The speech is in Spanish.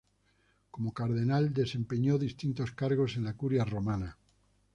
Como Cardenal desempeñó distintos cargos en la Curia Romana.